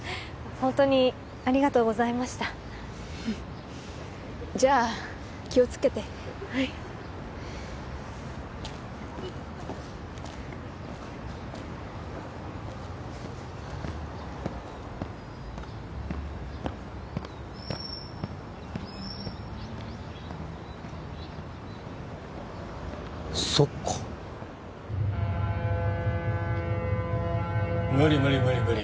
ホントにありがとうございましたじゃあ気をつけてはいそっか無理無理無理無理